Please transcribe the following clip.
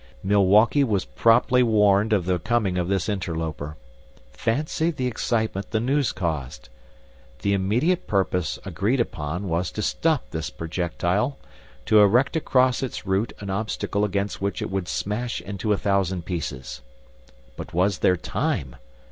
Milwaukee was promptly warned of the coming of this interloper. Fancy the excitement the news caused! The immediate purpose agreed upon was to stop this projectile, to erect across its route an obstacle against which it would smash into a thousand pieces. But was there time?